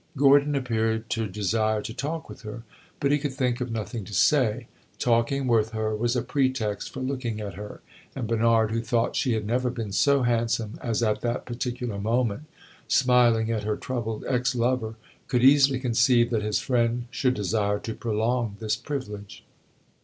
Gordon appeared to desire to talk with her; but he could think of nothing to say. Talking with her was a pretext for looking at her; and Bernard, who thought she had never been so handsome as at that particular moment, smiling at her troubled ex lover, could easily conceive that his friend should desire to prolong this privilege.